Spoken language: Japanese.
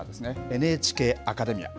ＮＨＫアカデミア。